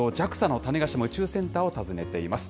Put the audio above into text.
ＪＡＸＡの種子島宇宙センターを訪ねています。